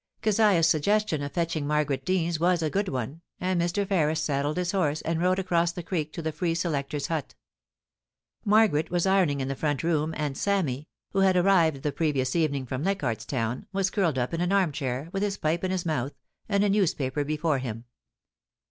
Keziah's suggestion of fetching Margaret Deans was a good one, and Mr. Ferris saddled his horse and rode across the creek to the free selector's huL Margaret was ironing in the front room, and Sammy, who had arrived the previous evening from Leichardt's Town, was curled up in an arm chair, with his pipe in his mouth, and a newspaper before him.